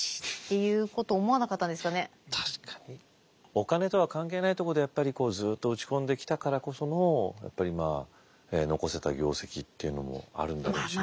お金とは関係ないとこでやっぱりずっと打ち込んできたからこそのやっぱりまあ残せた業績っていうのもあるんだろうしね。